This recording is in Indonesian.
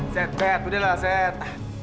set set itu dia lah set